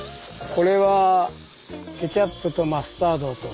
これはケチャップとマスタードと。